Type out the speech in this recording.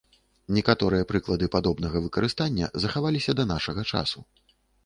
Некаторыя прыклады падобнага выкарыстання захаваліся да нашага часу.